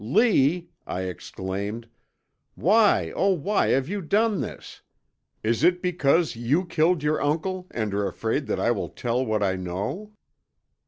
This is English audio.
"'Lee!' I exclaimed. 'Why, oh why, have you done this! Is it because you killed your uncle and are afraid that I will tell what I know?'